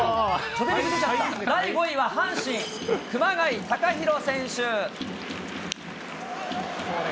第５位は阪神、熊谷たかひろ選手。